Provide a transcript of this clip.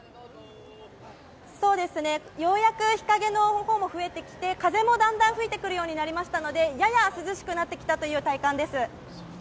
ようやく日陰の方も増えてきて風もだんだん吹いてくるようになりましたのでやや涼しくなってきたという体感です。